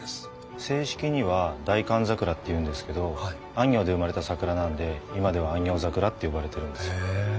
正式には「大寒桜」っていうんですけど安行で生まれた桜なんで今では安行桜って呼ばれてるんですよ。